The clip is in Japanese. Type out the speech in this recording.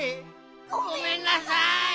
ごめんなさい！